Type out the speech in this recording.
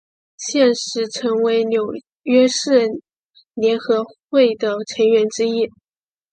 现时陈为纽约市联合会的成员之一。